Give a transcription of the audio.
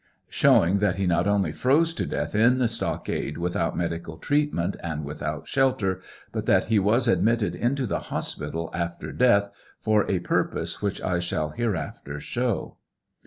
Showing that he not only froze to death in the stockade without medical treatment and without shelter, but that he was admitted into the hospital after death, for a purpose which I shall hereafter show.